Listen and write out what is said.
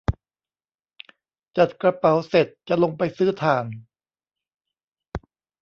จัดกระเป๋าเสร็จจะลงไปซื้อถ่าน